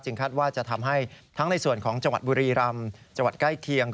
คาดว่าจะทำให้ทั้งในส่วนของจังหวัดบุรีรำจังหวัดใกล้เคียง